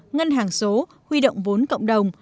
ngân hàng số huy động vốn cộng đồng